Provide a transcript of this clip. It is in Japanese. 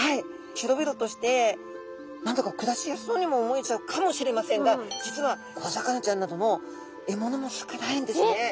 広々として何だか暮らしやすそうにも思えちゃうかもしれませんが実は小魚ちゃんなどの獲物も少ないんですね。